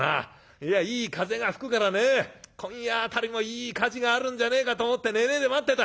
いやいい風が吹くからね今夜辺りもいい火事があるんじゃねえかと思って寝ねえで待ってた。